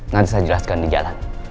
nanti saya jelaskan di jalan